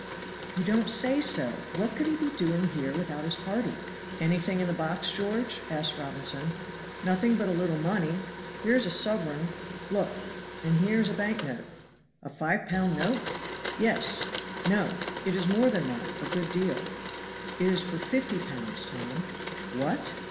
"You don't say so! What could he be doing here without his party?" "Anything in the box, George?" asked Robinson. "Nothing but a little money. Here is a sovereign look. And here is a bank note." "A five pound note?" "Yes no; it is more than that a good deal. It is for fifty pounds, Tom." "What?"